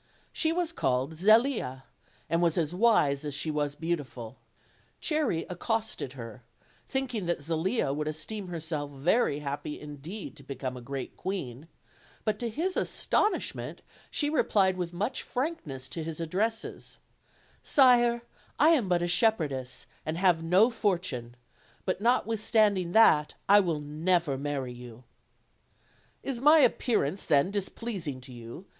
She was called Zelia, and was as wise as she was beautiful. Cherry accosted her, thinking that Zelia would esteem herself very happy indeed to become a great queen; but to his astonishment she replied with much frankness to his addresses: "Sire, I am but a shepherdess, and have no fortune; but not withstanding that I will never marry you." "Is my appearance then displeasing to you?"